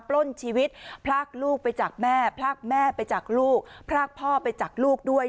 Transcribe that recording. ปล้นชีวิตพลากลูกไปจากแม่พลากแม่ไปจากลูกพรากพ่อไปจากลูกด้วย